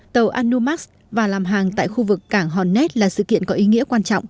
tàu anu max và làm hàng tại khu vực cảng hornet là sự kiện có ý nghĩa quan trọng